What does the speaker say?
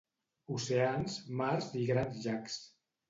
Oceans, mars i grans llacs.